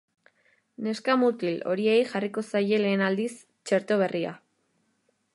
Neska-mutil horiei jarriko zaie lehen aldiz txerto berria.